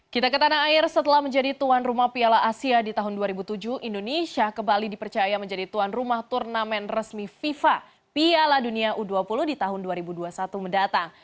kita ke tanah air setelah menjadi tuan rumah piala asia di tahun dua ribu tujuh indonesia kembali dipercaya menjadi tuan rumah turnamen resmi fifa piala dunia u dua puluh di tahun dua ribu dua puluh satu mendatang